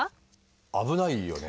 危ないよね。